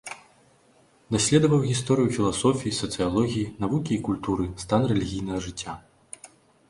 Даследаваў гісторыю філасофіі, сацыялогіі, навукі і культуры, стан рэлігійнага жыцця.